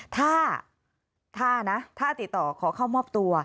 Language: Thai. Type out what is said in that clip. ถ้านะถ้าติดต่อขอเข้ามอบตัว